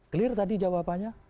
clear tadi jawabannya